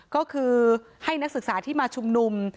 ก็คือให้นักศึกษาที่มาชุมนุม